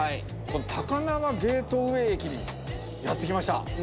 この高輪ゲートウェイ駅にやって来ました。